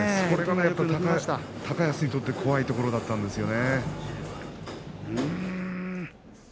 それが高安にとって怖いところだったんですよね。